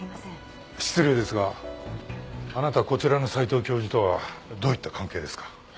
失礼ですがあなたこちらの斎藤教授とはどういった関係ですか？